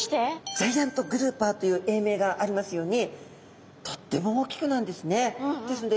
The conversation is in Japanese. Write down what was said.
ジャイアント・グルーパーという英名がありますようにとっても大きくなるんですね。